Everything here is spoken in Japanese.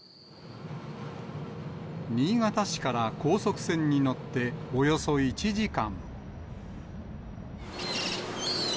新潟市から高速船に乗っておよそ１時間。